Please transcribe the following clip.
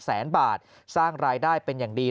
แสนบาทสร้างรายได้เป็นอย่างดี